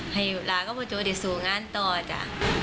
ให้ลากับพ่อโจได้สู่งานต่อจ้ะ